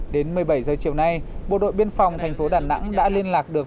đến một mươi bảy giờ chiều nay bộ đội biên phòng thành phố đà nẵng đã liên lạc được